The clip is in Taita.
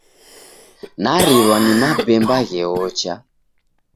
Narirwa ni mabemba gheocha.